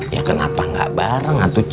ya kenapa ga bareng atuk c